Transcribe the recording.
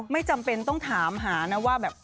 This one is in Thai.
ไม่จำเป็นต้องถามหานะว่าแบบ